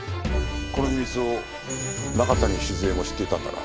この秘密を中谷静江も知っていたんだな。